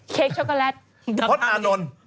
เค้กโชโกแลต